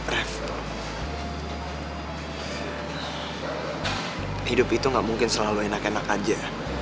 hidup itu gak mungkin selalu enak enak aja